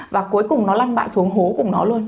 và cuối cùng nó lăn bại xuống hố cùng nó luôn